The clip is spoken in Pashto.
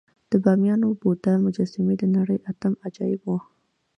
د بامیانو بودا مجسمې د نړۍ اتم عجایب وو